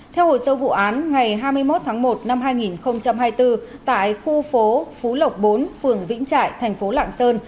theo hồ sơ vụ án ngày hai mươi một tháng một năm hai nghìn hai mươi bốn tại khu phố phú lộc bốn phường vĩnh trại thành phố lạng sơn